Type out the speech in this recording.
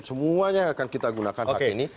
semuanya akan kita gunakan hak ini